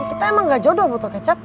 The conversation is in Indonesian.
kita emang gak jodoh butuh kecap